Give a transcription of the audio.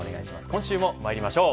今週もまいりましょう。